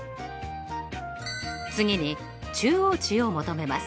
次に中央値を求めます。